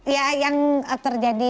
ya yang terjadi